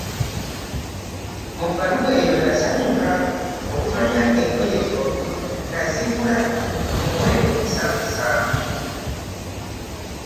Mu bbaluwa eyo nnasanyuka okumanya nga engoye zombi wazigula ku muwendo omusaamusaamu.